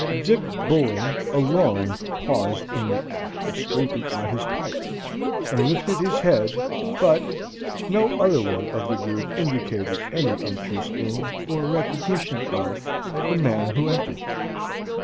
Dick Bullen alone paused in the act of scraping out his pipe, and lifted his head, but no other one of the group indicated any interest in, or recognition of, the man who entered.